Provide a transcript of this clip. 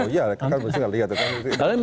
oh iya kan bu susi tidak lihat